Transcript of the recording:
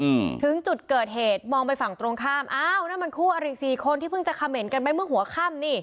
อืมถึงจุดเกิดเหตุมองไปฝั่งตรงข้ามอ้าวนั่นมันคู่อริสี่คนที่เพิ่งจะเขม่นกันไปเมื่อหัวค่ำนี่